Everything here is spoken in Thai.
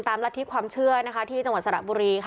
ตามระทิบความเชื่อที่จังหวัดสระบุรี